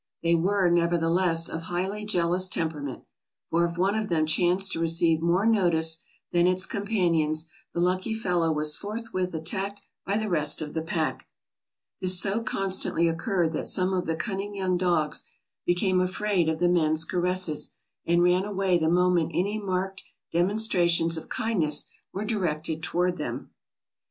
They were, nevertheless, of highly jealous temperament, for if one of them chanced to receive more notice than its companions, the lucky fellow was forthwith attacked by the rest of the pack. This so constantly occurred that some of the cunning young dogs became afraid of the men's caresses and ran away the moment any marked demonstrations of kindness were directed toward them.